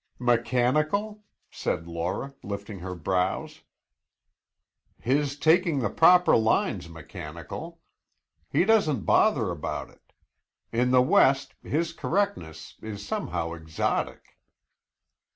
"Mechanical?" said Laura, lifting her brows. "His taking the proper line's mechanical. He doesn't bother about it. In the West, his correctness is somehow exotic."